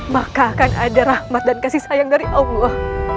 maka akan ada rahmat dan kasih sayang dari allah